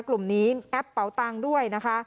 กลุ่มนี้แอปเป๋าตังค์ด้วยนะคะ